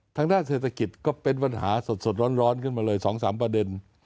ทางด้านเศรษฐกิจก็เป็นปัญหาสดร้อนขึ้นมาเลย๒๓ประเด็น